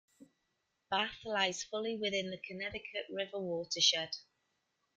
Bath lies fully within the Connecticut River watershed.